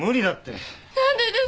何でですか！？